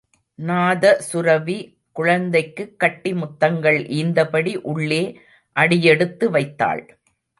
நாதசுரபி குழந்தைக்குக் கட்டி முத்தங்கள் ஈந்தபடி உள்ளே அடியெடுத்து வைத்தாள்.